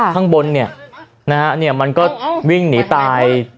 ข้างบนเนี่ยนะฮะมันก็วิ่งหนีตาย